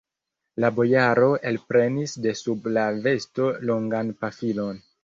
La bojaro elprenis de sub la vesto longan pafilon.